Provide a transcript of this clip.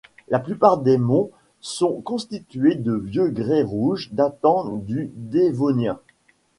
La plupart des monts sont constitués de vieux grès rouges datant du Dévonien.